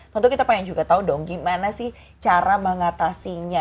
tentu kita pengen juga tahu dong gimana sih cara mengatasinya